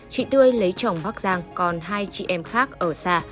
chị tươi lấy chồng bắc giang còn hai chị em khác ở xa